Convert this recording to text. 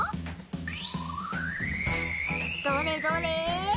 どれどれ？